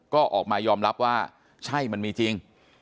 ก็ออกมายอมรับว่าใช่มันมีจริง